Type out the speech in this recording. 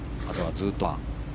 あとはずっとパー。